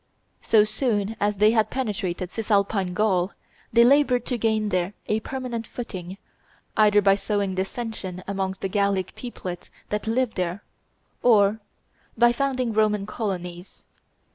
So soon as they had penetrated Cisalpine Gaul, they labored to gain there a permanent footing, either by sowing dissension amongst the Gallic peoplets that lived there, or by founding Roman colonies.